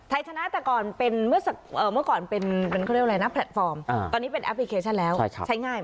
ไทยชนะแต่เมื่อก่อนเป็นแพลตฟอร์มตอนนี้เป็นแอปพลิเคชันแล้วใช้ง่าย